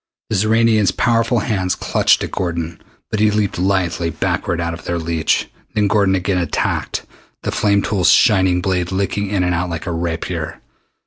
The Xoranian's powerful hands clutched at Gordon, but he leaped lithely backward out of their reach. Then Gordon again attacked, the flame tool's shining blade licking in and out like a rapier.